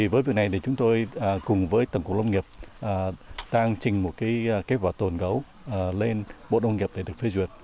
với việc này chúng tôi cùng với tổng cục nông nghiệp đang trình một kế hoạch tồn gấu lên bộ nông nghiệp để được phê duyệt